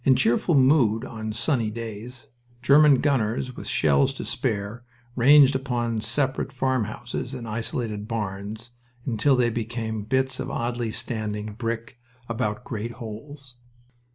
In cheerful mood, on sunny days, German gunners with shells to spare ranged upon separate farm houses and isolated barns until they became bits of oddly standing brick about great holes.